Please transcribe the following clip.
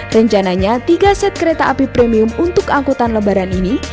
rencananya tiga set kereta api premium untuk angkutan lebaran ini